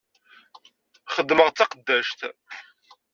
Xeddmeɣ d taqeddact.